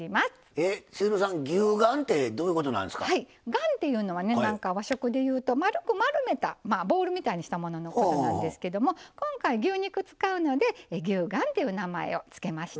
「丸」っていうのはねなんか和食で言うと丸く丸めたボールみたいにしたもののことなんですけども今回牛肉使うので牛丸っていう名前を付けました。